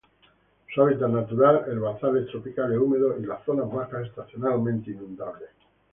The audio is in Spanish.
Su hábitat natural herbazales tropicales húmedos y las zonas bajas estacionalmente inundables.